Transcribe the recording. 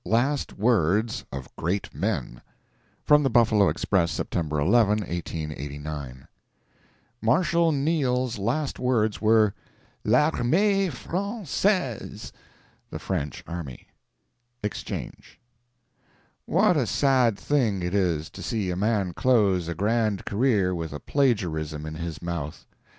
LAST WORDS OF GREAT MEN [From the Buffalo Express, September 11, 1889.] Marshal Neil's last words were: "L'armee fran caise!" (The French army.) Exchange. What a sad thing it is to see a man close a grand career with a plagiarism in his mouth.